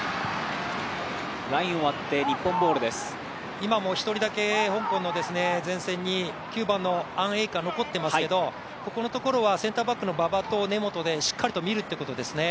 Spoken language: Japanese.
今も一人だけ香港の前線に９番のアン・エイカ、残っていますけど、このところはセンターバックの馬場と根本でうまくしっかりと見るということですね